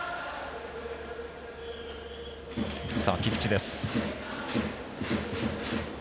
菊池です。